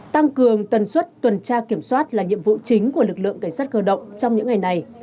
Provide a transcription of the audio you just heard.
tăng cường tần suất tuần tra kiểm soát là nhiệm vụ chính của lực lượng cảnh sát cơ động trong những ngày này